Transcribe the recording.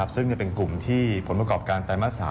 ซึ่งจะเป็นกลุ่มที่ผลประกอบการไตรมาส๓